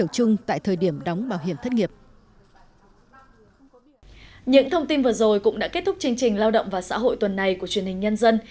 chương trình lao động và xã hội tuần này của truyền hình nhân dân